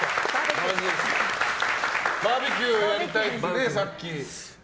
バーベキューやりたいってさっき。